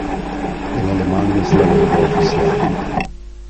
El alemán es la lengua oficial.